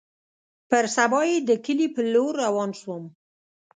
پر سبا يې د کلي په لور روان سوم.